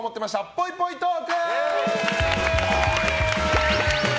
ぽいぽいトーク！